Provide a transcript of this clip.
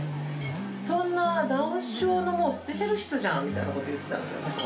そんなダウン症のスペシャリストじゃんみたいなこと言ってたのよ。